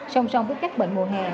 song song với các bệnh mùa hè